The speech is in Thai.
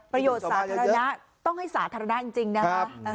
ประโยชน์สาธารณะต้องให้สาธารณะจริงนะครับ